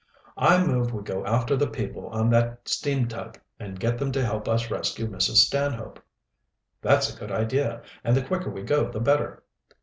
"I move we go after the people on that steam tug and get them to help us rescue Mrs. Stanhope." "That's a good idea, and the quicker we go the better."